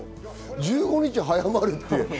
１５日早まるって。